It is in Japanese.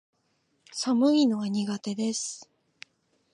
寒いのは苦手です